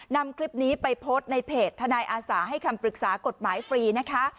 นำคลิปนี้ไปโพสต์ในเพจทนายอาสาให้คำปรึกษากฎหมายฟรีนะคะ